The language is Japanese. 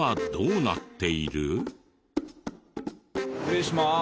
失礼します。